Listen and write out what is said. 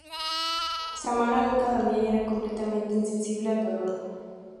Samara nunca dormía y era completamente insensible al dolor.